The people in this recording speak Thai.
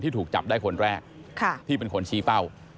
ถูกจับได้คนแรกที่เป็นคนชี้เป้า